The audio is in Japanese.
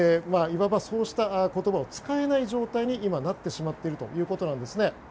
いわばそうした言葉を使えない状態に今、なってしまっているということなんですね。